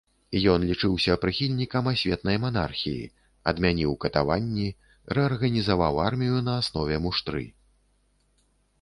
Ён лічыўся прыхільнікам асветнай манархіі, адмяніў катаванні, рэарганізаваў армію на аснове муштры.